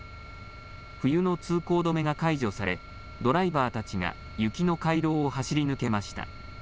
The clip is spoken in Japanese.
冬の通行止めが解除されドライバーたちが雪の回廊を走り抜けました。